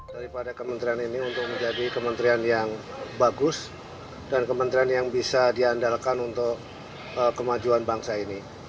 daripada kementerian ini untuk menjadi kementerian yang bagus dan kementerian yang bisa diandalkan untuk kemajuan bangsa ini